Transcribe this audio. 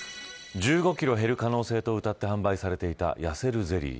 １５キロ減る可能性とうたって販売されていた、やせるゼリー。